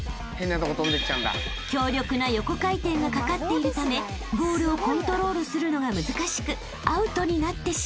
［強力な横回転がかかっているためボールをコントロールするのが難しくアウトになってしまう］